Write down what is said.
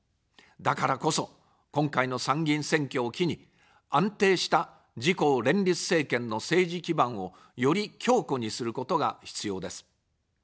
だからこそ、今回の参議院選挙を機に、安定した自公連立政権の政治基盤をより強固にすることが必要です。